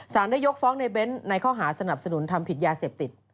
ได้ยกฟ้องในเน้นในข้อหาสนับสนุนทำผิดยาเสพติด